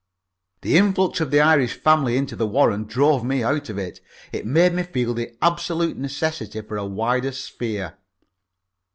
The influx of the Irish family into the Warren drove me out of it. It made me feel the absolute necessity for a wider sphere.